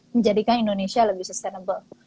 menjadikan indonesia lebih sustainable